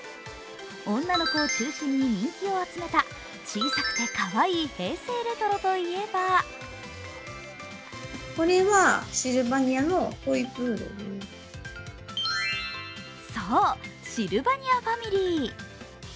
女の子を中心に人気を集めた小さくてかわいい平成レトロといえばそう、シルバニアファミリー。